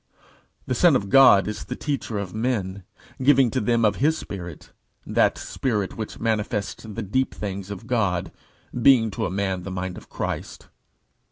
The Son of God is the Teacher of men, giving to them of his Spirit that Spirit which manifests the deep things of God, being to a man the mind of Christ.